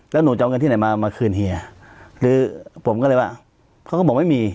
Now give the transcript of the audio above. แล้วหนูจะเอาเงินที่ไหนมามาคืนเฮียหรือผมก็เลยว่าเขาก็บอกไม่มี